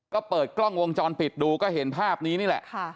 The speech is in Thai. ก็เปิดกล้องวงจรปิดดูก็เห็นภาพนี้นี่แหละ